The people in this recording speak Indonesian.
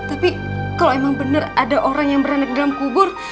tapi kalau emang bener ada orang yang berada di dalam kubur